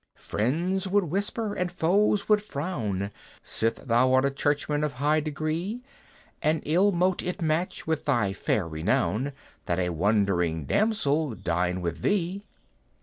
"Friends would whisper, and foes would frown, Sith thou art a Churchman of high degree, And ill mote it match with thy fair renown That a wandering damsel dine with thee!